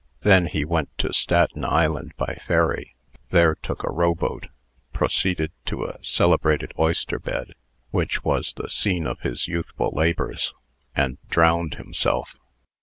Then he went to Staten Island by ferry, there took a row boat, proceeded to a celebrated oyster bed which was the scene of his youthful labors, and drowned himself.